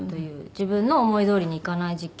自分の思いどおりにいかない時期。